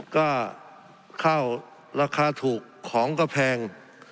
ก็เข้าราคาถูกของก็แพง